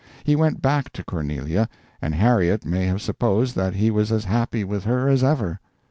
He went back to Cornelia, and Harriet may have supposed that he was as happy with her as ever.